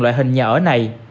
loại hình nhà ở này